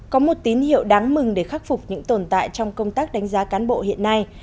có một tín hiệu đáng mừng để khắc phục những tồn tại trong công tác đánh giá cán bộ hiện nay